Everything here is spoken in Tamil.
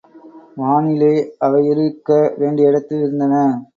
வானிலே அவையவையிருக்க வேண்டிய இடத்திலே இருந்தன.